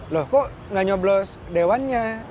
loh kok nggak nyoblos dewannya